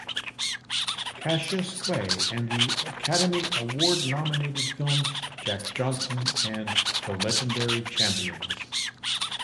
Cassius Clay" and Academy Award-nominated films "Jack Johnson" and "The Legendary Champions.